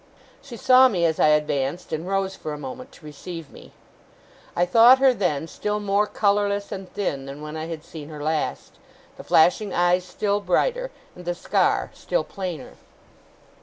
She saw me as I advanced, and rose for a moment to receive me. I thought her, then, still more colourless and thin than when I had seen her last; the flashing eyes still brighter, and the scar still plainer.